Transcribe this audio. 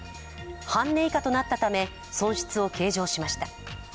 半値以下となったため、損失を計上しました。